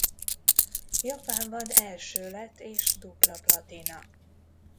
Japánban első lett és dupla platina.